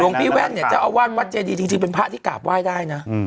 พี่แว่นเนี่ยเจ้าอาวาสวัดเจดีจริงเป็นพระที่กราบไหว้ได้นะ